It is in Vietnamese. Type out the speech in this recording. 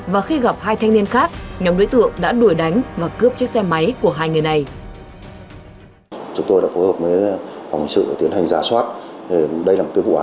và khi gặp hai thanh niên khác nhóm đối tượng đã đuổi đánh và cướp chiếc xe máy của hai người này